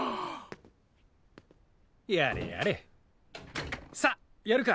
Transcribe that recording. やれやれさっやるか！